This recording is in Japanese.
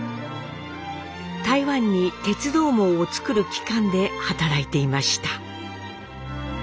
台湾に鉄道網を造る機関で働いていました。